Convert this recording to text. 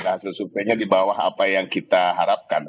hasil surveinya di bawah apa yang kita harapkan